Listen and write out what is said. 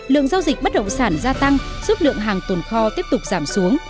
lượng giao dịch bất động sản gia tăng sức lượng hàng tôn kho tiếp tục giảm xuống